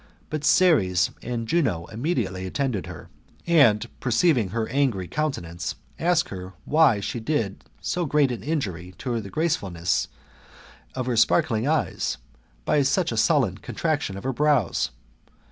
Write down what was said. But Ceres and Juno immediately attended her, and, perceiving her angry countenance, asked her why she did so great an injury to the gracefulness of her sparkling eyes, by such a sullen contraction of her brows